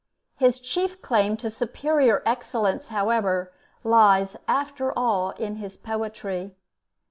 His chief claim to superior excellence, however, lies after all in his poetry.